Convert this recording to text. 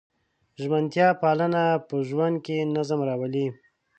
ژمنتیا پالنه په ژوند کې نظم راولي.